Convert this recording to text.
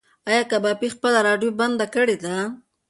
ایا کبابي خپله راډیو بنده کړې ده؟